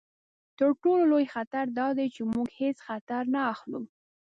تر ټولو لوی خطر دا دی چې موږ هیڅ خطر نه اخلو.